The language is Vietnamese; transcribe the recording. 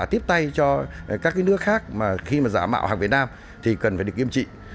tiếp tay cho các nước khác mà khi mà giả mạo hàng việt nam thì cần phải được nghiêm trị